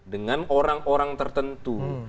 dengan orang orang tertentu